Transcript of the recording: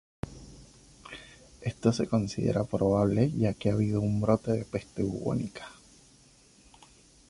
Esto se considera probable ya que habido un brote de peste bubónica.